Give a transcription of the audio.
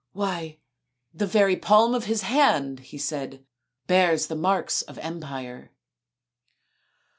" Why the very palm of his hand/' he said, " bears the marks of empire."